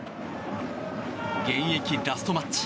現役ラストマッチ。